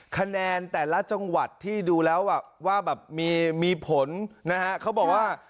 คะแนนแต่ละจังหวัดที่ดูแล้วว่าแบบมีผลนะฮะเขาบอกว่า